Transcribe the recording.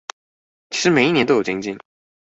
其實每一年都有精進